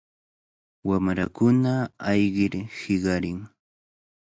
Wamrakuna ayqir hiqarin.